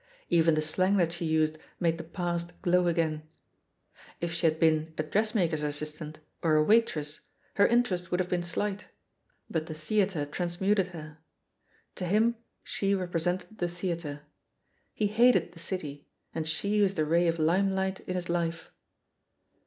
Even the slang that she used made the past glow again. If she had been a dressmaker's assistant, or a waitress, her interest would have been slight, but the theatre transmuted her. To him she repre sented the theatre. He hated the City, and she was the ray of limelight in his life.